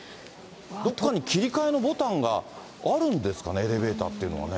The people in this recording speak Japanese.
どっかに切り替えのボタンがあるんですかね、エレベーターっていうのはね。